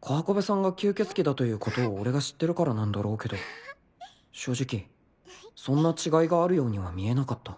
小繁縷さんが吸血鬼だということを俺が知ってるからなんだろうけど正直そんな違いがあるようには見えなかったん？